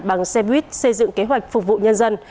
bằng xe buýt xây dựng kế hoạch phục vụ nhân dân